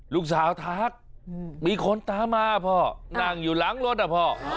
ลูกสาวทักมีคนตามมาพ่อนั่งอยู่หลังรถอ่ะพ่อ